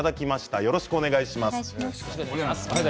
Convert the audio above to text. よろしくお願いします。